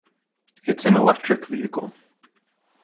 It’s an electric vehicle.